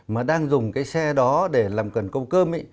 mà đang dùng cái xe đó để làm cần câu cơm